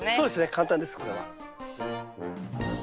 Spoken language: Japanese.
簡単ですこれは。